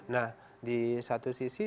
nah di satu sisi